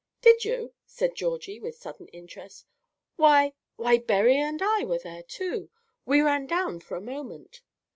"Did you?" said Georgie with sudden interest; "why why, Berry and I were there too. We ran down for a moment."